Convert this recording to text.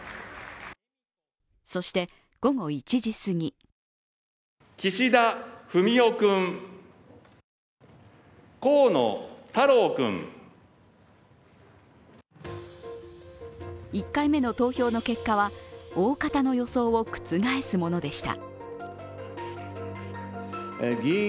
そして、午後１時すぎ１回目の投票の結果は大方の予想を覆すものでした。